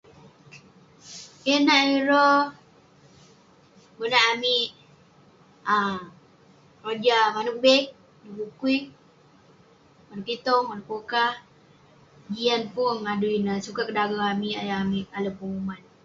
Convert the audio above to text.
Keh nat ireh, monak amik um keroja, manouk bag, manouk bukui, manouk kitong, manouk pokah, jian pong adui ineh sukat kedageng amik ayuk amik alek penguman